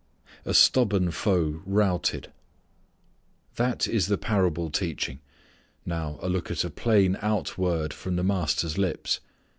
A Stubborn Foe Routed. That is the parable teaching. Now a look at a plain out word from the Master's lips.